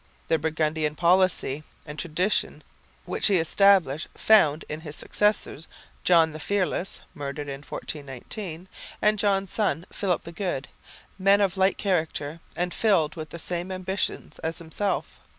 The Burgundian policy and tradition, which he established, found in his successors John the Fearless (murdered in 1419) and John's son, Philip the Good, men of like character and filled with the same ambitions as himself.